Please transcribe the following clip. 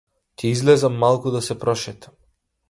Ќе излезам малку да се прошетам.